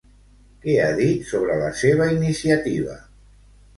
Què ha dit sobre la seva iniciativa?